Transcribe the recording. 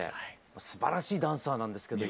すばらしいダンサーなんですけど